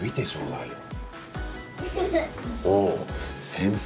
先生。